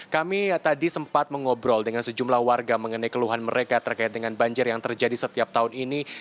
kami tadi sempat mengobrol dengan sejumlah warga mengenai keluhan mereka terkait dengan banjir yang terjadi setiap tahun ini